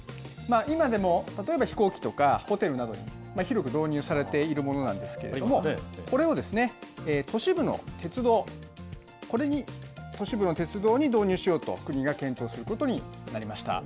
今でも例えば飛行機とか、ホテルなどに広く導入されているものなんですけれども、これを都市部の鉄道、これに都市部の鉄道に導入しようと、国が検討することになりました。